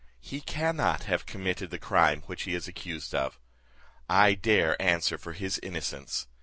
He cannot have committed the crime he is accused of; I dare answer for his innocence.